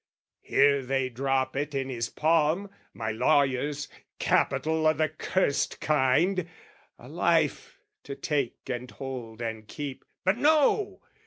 Here they drop it in his palm, My lawyers, capital o' the cursed kind, A life to take and hold and keep: but no!